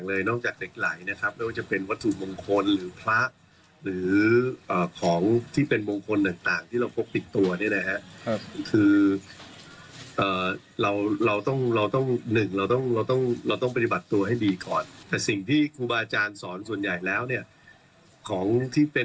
เราก็ต้องทำสิ่งที่ดี